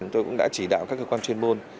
tôi cũng đã chỉ đạo các cơ quan chuyên môn